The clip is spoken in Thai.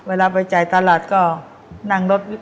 เวลาไปจ่ายตลาดก็นั่งรถวิบ